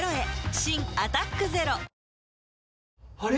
新「アタックＺＥＲＯ」あれ？